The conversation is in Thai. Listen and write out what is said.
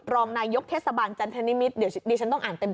รองนายกเทศบาลจันทนิมิตรเดี๋ยวดิฉันต้องอ่านเต็ม